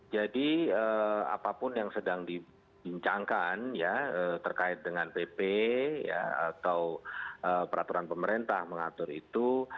jadi apapun yang sedang dibincangkan ya terkait dengan pp atau peraturan pemerintah mengatur itu